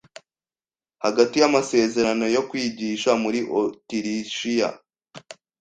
hagati yamasezerano yo kwigisha muri Otirishiya